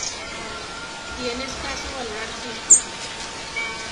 Tiene escaso valor artístico.